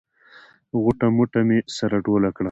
غوټه موټه مې سره ټوله کړه.